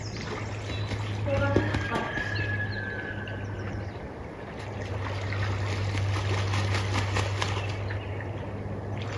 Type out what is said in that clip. Savagukpat?